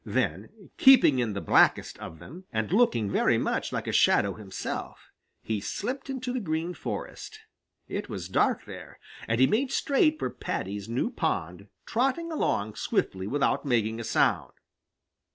Then, keeping in the blackest of them, and looking very much like a shadow himself, he slipped into the Green Forest. It was dark in there, and he made straight for Paddy's new pond, trotting along swiftly without making a sound.